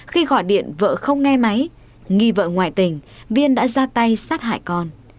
khi gọi điện vợ không nghe máy nghi vợ ngoại tình viên đã ra tay sát hại con